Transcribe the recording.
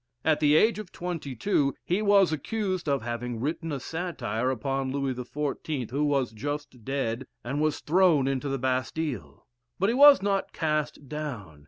At the age of twenty two, he was accused of having written a satire upon Louis XIV., who was just dead, and was thrown into the Bastile. But he was not cast down.